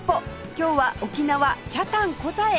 今日は沖縄北谷コザへ